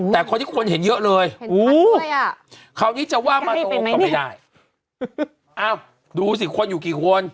แต่คนที่คนเห็นเยอะเลยอ่ะคราวนี้จะว่ามาตรงก็ไม่ได้อ้าวดูสิคนอยู่กี่คน